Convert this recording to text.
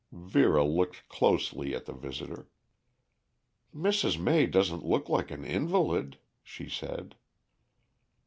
Vera looked closely at the visitor. "Mrs. May doesn't look like an invalid," she said.